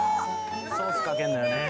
「ソースかけるんだよね」